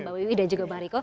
mbak wiwi dan juga bang riko